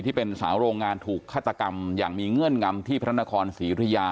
ที่เป็นสาวโรงงานถูกฆาตกรรมอย่างมีเงื่อนงำที่พระนครศรียุธยา